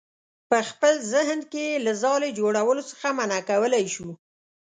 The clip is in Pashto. په خپل ذهن کې یې له ځالې جوړولو څخه منع کولی شو.